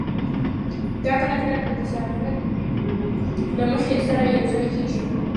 دا کله کله د تصادف له مخې سره یوځای کېږي.